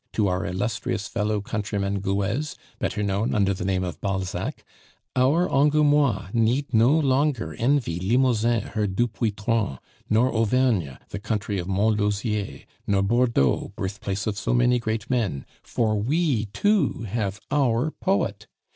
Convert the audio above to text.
to our illustrious fellow countryman Guez, better known under the name of Balzac, our Angoumois need no longer envy Limousin her Dupuytren, nor Auvergne, the country of Montlosier, nor Bordeaux, birthplace of so many great men; for we too have our poet!